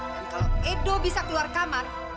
dan kalau edo bisa keluar kamar